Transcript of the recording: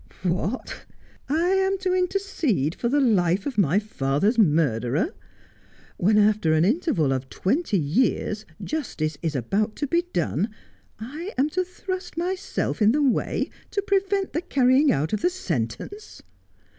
' What ! I am to intercede for the life of my father's mur A Plea for the Prisoner. 89 derer ? When, after an interval of twenty years, justice is about to be done, I am to thrust myself in the way to prevent the carrying out of the sentence